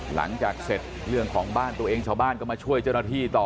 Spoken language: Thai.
หลังจากเสร็จเรื่องของบ้านตัวเองชาวบ้านก็มาช่วยเจ้าหน้าที่ต่อ